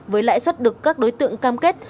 với lãi suất được các đối tượng cam kết